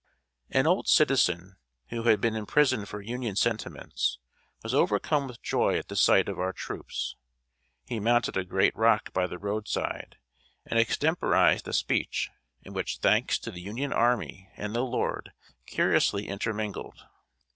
An old citizen, who had been imprisoned for Union sentiments, was overcome with joy at the sight of our troops. He mounted a great rock by the roadside, and extemporized a speech, in which thanks to the Union army and the Lord curiously intermingled.